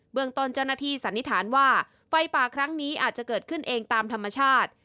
เมืองตนเจ้าหน้าที่สันนิษฐานว่าไฟป่าครั้งนี้อาจจะเกิดขึ้นเองตามธรรมชาติ